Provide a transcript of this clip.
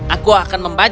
aku akan membayangkannya